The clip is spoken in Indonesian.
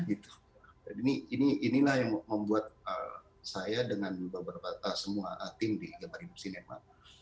inilah yang membuat saya dengan beberapa tim di gemar hidup sinema